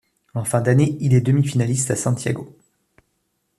En fin d'année, il est demi-finaliste à Santiago.